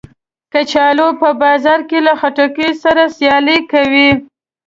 کچالو په بازار کې له خټکیو سره سیالي کوي